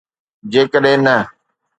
جيڪڏهن نه.